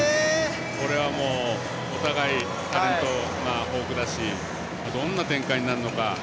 これはお互いタレントが豊富だしどんな展開になるのか。